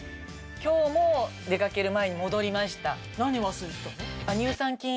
今日も出かける前に戻りました。